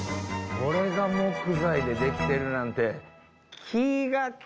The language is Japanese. これが木材で出来てるなんて。